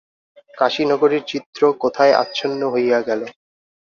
কাশী নগরীর চিত্র কোথায় আচ্ছন্ন হইয়া গেল।